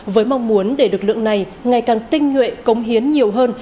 với mong muốn để lực lượng này ngày càng tinh nguyện công hiến nhiều hơn